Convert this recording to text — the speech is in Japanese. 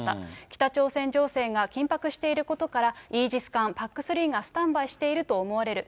北朝鮮情勢が緊迫していることから、イージス艦、ＰＡＣ３がスタンバイしていると思われる。